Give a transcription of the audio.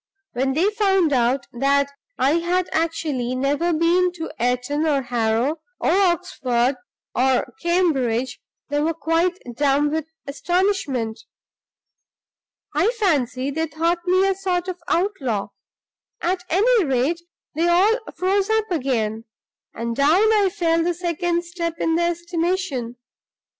When they found out that I had actually never been to Eton or Harrow, or Oxford or Cambridge, they were quite dumb with astonishment. I fancy they thought me a sort of outlaw. At any rate, they all froze up again; and down I fell the second step in their estimation.